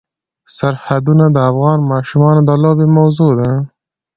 سرحدونه د افغان ماشومانو د لوبو موضوع ده.